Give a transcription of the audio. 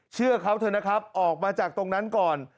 เชื่อเขาเถอะนะครับออกมาจากตรงนั้นก่อน